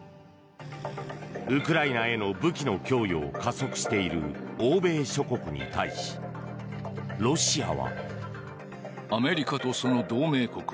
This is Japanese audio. ウクライナへの武器の供与を加速している欧米諸国に対しロシアは。